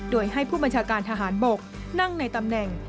โดยให้ผู้บัญชาการทหารบกนั่งในตำแหน่ง